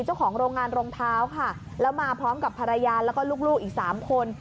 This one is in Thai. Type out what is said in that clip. เจ้าของโรงงานรองเท้าค่ะแล้วมาพร้อมกับภรรยาแล้วก็ลูกอีกสามคน